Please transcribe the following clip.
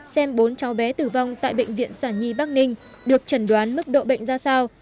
xem bốn cháu bé tử vong tại bệnh viện sản nhi bắc ninh được chẩn đoán mức độ bệnh ra sao